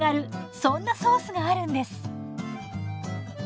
そんなソースがあるんです。